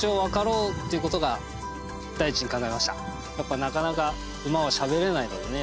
やっぱなかなか馬はしゃべれないのでね